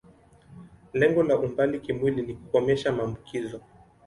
Lengo la umbali kimwili ni kukomesha maambukizo.